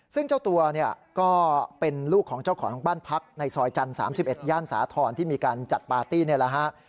ซึ่งเจ้าตัวเนี่ยก็เป็นลูกของเจ้าของบ้านพักในซอยจันทร์๓๑ย่านสาธรณ์ที่มีการจัดปาร์ตี้นี่แหละฮะ